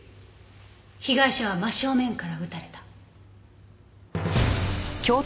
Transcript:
被害者は真正面から撃たれた。